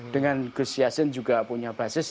dengan gus yassin juga punya basis